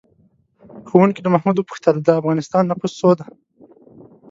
ښوونکي له محمود وپوښتل: د افغانستان نفوس څو دی؟